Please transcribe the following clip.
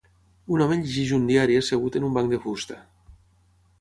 Un home llegeix un diari assegut en un banc de fusta.